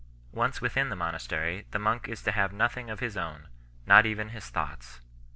Once within the | CHAP. XII. monastery, the monk is to have nothing of his own | not even his thoughts 2